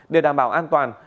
để đảm bảo an toàn